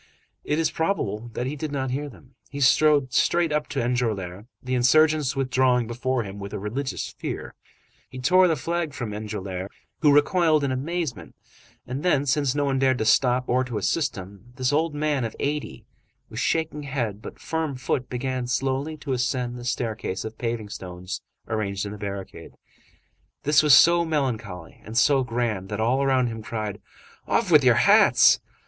It is probable that he did not hear them. He strode straight up to Enjolras, the insurgents withdrawing before him with a religious fear; he tore the flag from Enjolras, who recoiled in amazement and then, since no one dared to stop or to assist him, this old man of eighty, with shaking head but firm foot, began slowly to ascend the staircase of paving stones arranged in the barricade. This was so melancholy and so grand that all around him cried: "Off with your hats!"